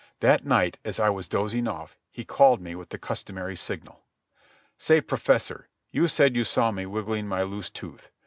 That night, as I was dozing off, he called me with the customary signal. "Say, Professor, you said you saw me wiggling my loose tooth.